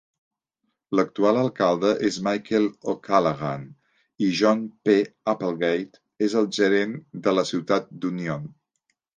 L'actual alcalde és Michael O'Callaghan i John P. Applegate és el gerent de la ciutat d'Union.